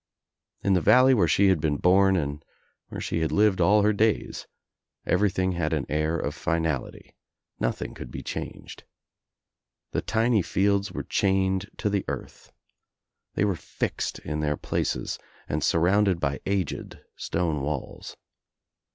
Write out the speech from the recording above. In the valley where she had been bom and where she had lived all her days everything had an air of finality. Nothing could be changed. The tiny fields were chained to the earth. They were fixed in their places and surrounded by aged stone walls.